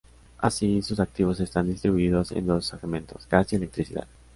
Así, sus activos están distribuidos en dos segmentos: gas y electricidad.